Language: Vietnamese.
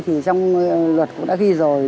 thì trong luật cũng đã ghi rồi